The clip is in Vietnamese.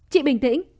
chị bình tĩnh